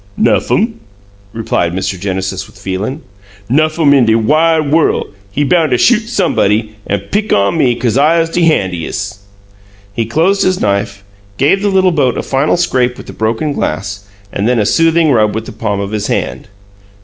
"Nuff'm!" replied Mr. Genesis, with feeling. "Nuff'm in de wide worl'! He boun' to shoot SOMEbody, an' pick on me 'cause I 'uz de handies'." He closed his knife, gave the little boat a final scrape with the broken glass, and then a soothing rub with the palm of his hand.